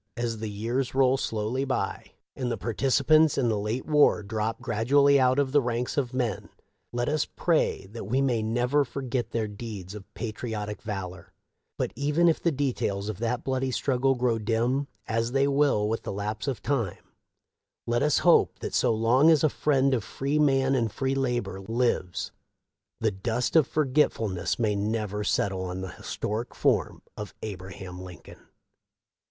As the years roll slowly Gen. John M. Palmer Aftef photograph by Pi'ttman, Springfield, Id. THE LIFE OF LINCOLN. 549 by, and the participants in the late war drop grad ually out of the ranks of men, let us pray that we may never forget their deeds of patriotic valor ; but even if the details of that bloody struggle grow dim, as they will with the lapse of time, let us hope that so long as a friend of free man and free labor lives the dust of forgetfulness may never settle on the historic form of Abraham Lincoln.